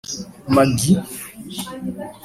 Maggy